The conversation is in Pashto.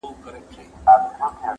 یوه ورځ پاچا وو غلی ورغلی!